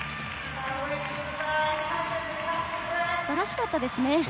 素晴らしかったですね。